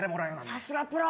さすがプロ！